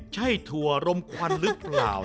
ใช่ถั่วลมควันหรือเปล่า